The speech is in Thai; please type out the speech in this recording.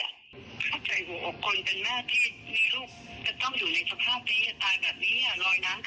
ถ้าใจโหกกลเป็นแม่ที่ลูกจะต้องอยู่ในสภาพนี้ตายแบบนี้ลอยน้ำขึ้นมาอย่างนี้